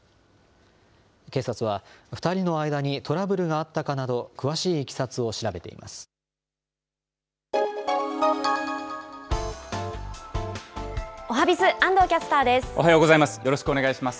警察は、２人の間にトラブルがあったかなど、詳しいいきさつを調べています。